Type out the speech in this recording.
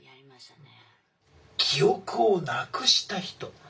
記憶をなくした人。